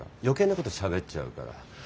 余計なことしゃべっちゃうから。